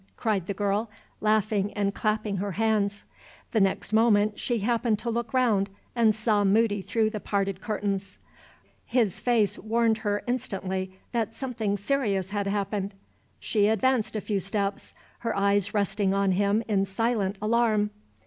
cried the girl, laughing and clapping her hands. The next moment she happened to look round and saw Moody through the parted curtains. His face warned her instantly that something serious had happened. She advanced a few steps, her eyes resting on him in silent alarm.